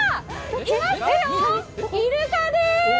いますよ、イルカです。